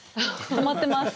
止まってます。